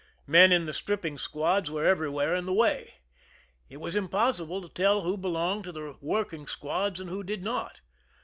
Men in the stripping squads were everywhere in the way. It was im possible to tell who belonged to the working squads and who did not.